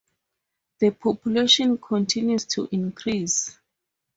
The population continues to increase.